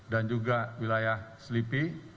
dan juga wilayah selipi